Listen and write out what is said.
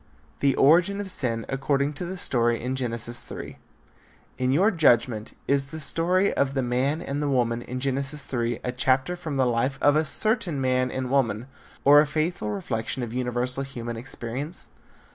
THE ORIGIN OF SIN ACCORDING TO THE STORY IN GENESIS 3. In your judgment is the story of the man and the woman in Genesis 3 a chapter from the life of a certain man and woman, or a faithful reflection of universal human experience?